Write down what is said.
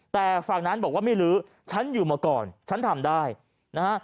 แต่ฝั่งนั้นบอกว่าไม่ลื้อฉันอยู่มาก่อนฉันทำได้นะฮะ